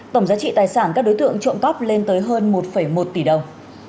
tổng giá trị tài sản các đối tượng trộm cắp lên tới hơn một một tỷ đồng